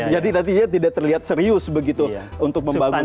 jadi nantinya tidak terlihat serius begitu untuk membangun bahwa